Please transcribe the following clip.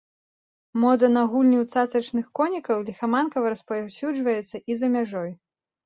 Мода на гульні ў цацачных конікаў ліхаманкава распаўсюджваецца і за мяжой.